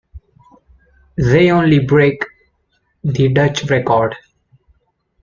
They only break the Dutch record.